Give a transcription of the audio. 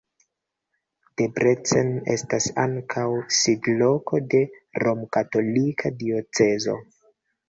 Debrecen estas ankaŭ sidloko de romkatolika diocezo.